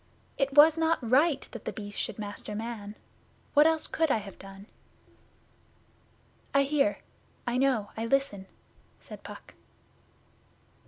It was not right that The Beast should master man. What else could I have done?' 'I hear. I know. I listen,' said Puck.